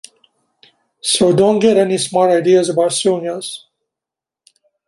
So don't get any smart ideas about suing us!